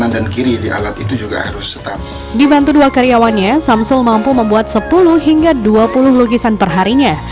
dibantu dua karyawannya samsul mampu membuat sepuluh hingga dua puluh lukisan perharinya